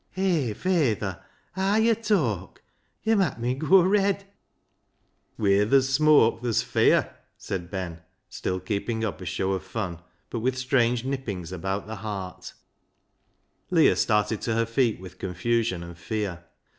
" Eh, fayther, haa yo' talk. Yo' mak' me goa red." LEAH'S LOVER 63 "Wheerther's smook ther's feire," said Ben, still keeping up a show of fun, but with strange nippings about the heart. Leah started to her feet with confusion and fear.